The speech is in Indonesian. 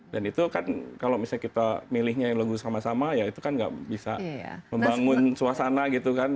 dan itu kan kalau misalnya kita milihnya lagu sama sama ya itu kan nggak bisa membangun suasana gitu kan